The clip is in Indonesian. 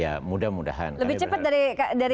ya mudah mudahan lebih cepat dari